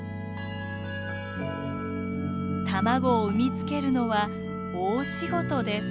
卵を産みつけるのは大仕事です。